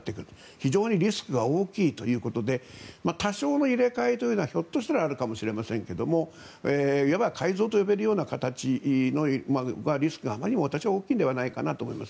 非常にリスクが大きいということで多少の入れ替えというのはひょっとしたらあるかもしれませんがいわば改造と呼べるような形はリスクがあまりにも私は大きいのではないかと思います。